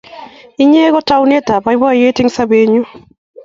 Inye koi taunetap poipoyet eng' sobennyu